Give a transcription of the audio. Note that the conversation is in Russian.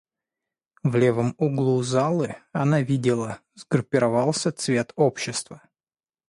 В левом углу залы, она видела, сгруппировался цвет общества.